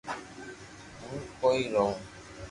ھون ڪوئي رووُ